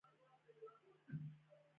زړه د امن ځای دی.